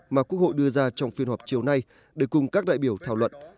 mà quốc hội đưa ra trong phiên họp chiều nay để cùng các đại biểu thảo luận